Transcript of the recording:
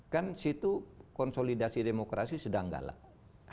kan situ konsolidasi demokrasi sedang galak